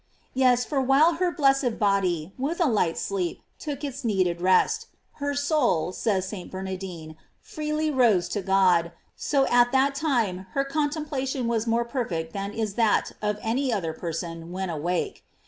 J Yes, for while her blessed bod}% with a light sleep, took its needed rest, her soul, says St. Bernardine, freely rose to God, so at that time her contemplation was more perfect than is that of any other person when awake.